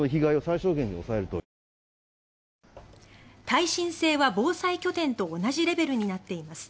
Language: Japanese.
耐震性は防災拠点と同じレベルになっています。